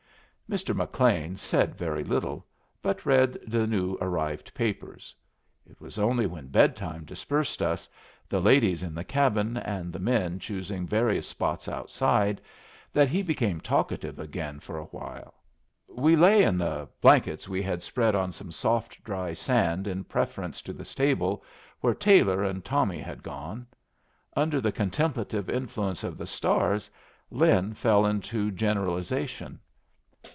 Mr. McLean said very little, but read the new arrived papers. It was only when bedtime dispersed us, the ladies in the cabin and the men choosing various spots outside, that he became talkative again for a while. We lay in the blank we had spread on some soft, dry sand in preference to the stable, where Taylor and Tommy had gone. Under the contemplative influence of the stars, Lin fell into generalization.